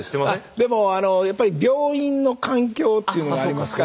でもやっぱり病院の環境というのがありますから。